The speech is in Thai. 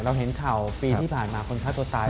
เห็นข่าวปีที่ผ่านมาคนฆ่าตัวตาย